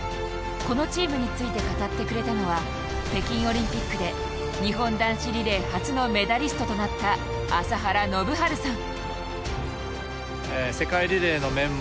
このチームについて語ってくれたのは北京オリンピックで日本男子リレー初のメダリストとなった朝原宣治さん。